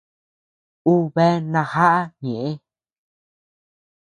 Ú bea najaʼa ñeʼë.